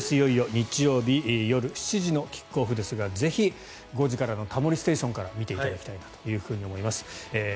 日曜日夜７時のキックオフですがぜひ５時からの「タモリステーション」から見ていただきたいと思います。